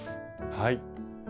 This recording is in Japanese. はい。